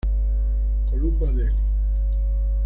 Columba, Delhi.